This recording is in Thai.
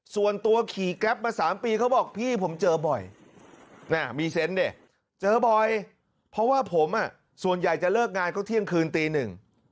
ส่วนตัวขี่แก๊ปมาสามปีเขาบอกพี่ผมเจอบ่อยน่ะมีเซนต์ดิเจอบ่อยเพราะว่าผมอ่ะส่วนใหญ่จะเลิกงานก็เที่ยงคืนตีหนึ่ง